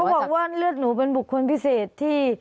บอกว่าเลือดหนูเป็นบุคคลพิเศษที่